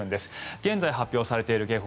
現在発表されている警報